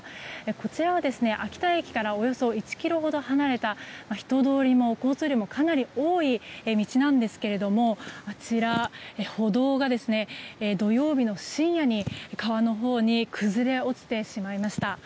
こちらは秋田駅からおよそ１ｋｍほど離れた人通りも、交通量もかなり多い道なんですけどもあちら、歩道が土曜日の深夜に川のほうに崩れ落ちてしまいました。